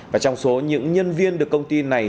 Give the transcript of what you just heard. và trong số những nhân viên được công ty này